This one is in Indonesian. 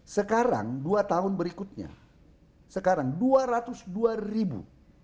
sekarang dua tahun berikutnya sekarang dua ratus dua ribu